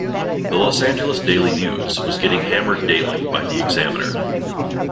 The "Los Angeles Daily News" was getting hammered daily by the "Examiner".